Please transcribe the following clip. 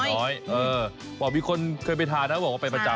บอกมีคนเคยไปทานนะบอกว่าไปประจำ